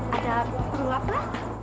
ada perlu apa